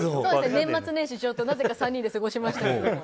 年末年始、なぜか３人で過ごしましたけど。